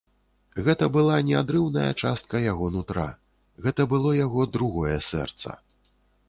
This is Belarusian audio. Гэта была неадрыўная частка яго нутра, гэта было яго другое сэрца.